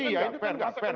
iya itu kan gak fair